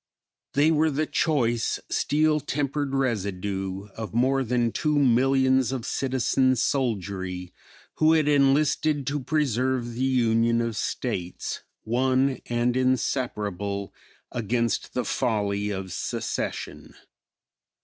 They were the choice, steel tempered residue of more than two millions of citizen soldiery who had enlisted to preserve the union of States, "one and inseparable," against the folly of secession.